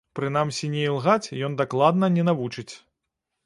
Прынамсі, не ілгаць ён дакладна не навучыць.